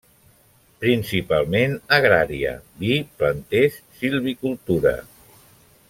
Principalment agrària: vi, planters, silvicultura.